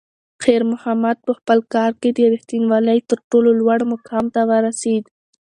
خیر محمد په خپل کار کې د رښتونولۍ تر ټولو لوړ مقام ته ورسېد.